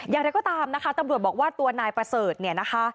อย่างไรก็ตามนะคะตำรวจบอกว่าตัวนายประเสริฐเนี่ยนะคะ